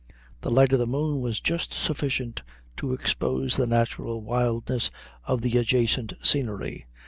The light of the moon was just sufficient to expose the natural wildness of the adjacent scenery.